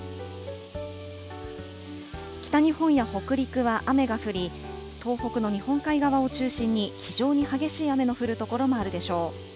北日本や北陸は雨が降り、東北の日本海側を中心に、非常に激しい雨の降る所もあるでしょう。